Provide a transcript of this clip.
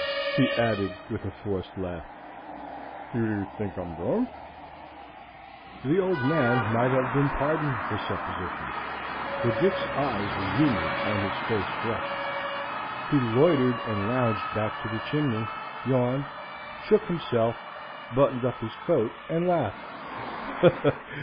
he added with a forced laugh; "do you think I'm drunk?" The Old Man might have been pardoned the supposition, for Dick's eyes were humid and his face flushed. He loitered and lounged back to the chimney, yawned, shook himself, buttoned up his coat and laughed.